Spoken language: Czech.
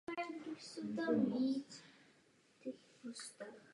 Výpočet příspěvku peněžité pomoci v mateřství je podobný jako výpočet nemocenské.